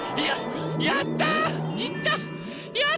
やった！